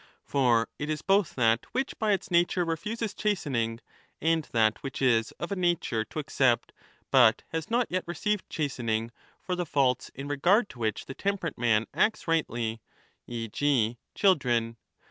For it is both that which by its nature refuses chastening, and that which is of a nature to accept but has not yet received chastening for the faults in regard 5 to which the temperate man acts rightly — e. g. children.